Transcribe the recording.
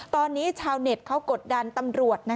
ตอนนี้ชาวเน็ตเขากดดันตำรวจ